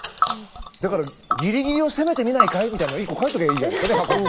だから「ぎりぎりを攻めてみないかい？」みたいのを１個書いときゃいいじゃないですかね箱に。